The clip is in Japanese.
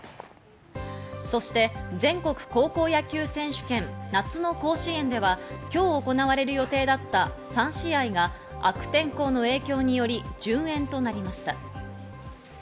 そして全国高校野球選手権、夏の甲子園では今日行われる予定だった３試合が悪天候の影響により順延となりました。